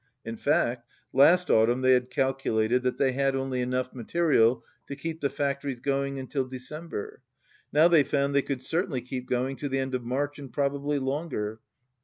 In fact, last autumn they had cal culated that they had only enough material to keep the factories going until December. Now they found they could certainly keep going to the end of March, and probably longer.